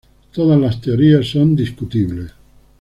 Todas las teorías son discutibles.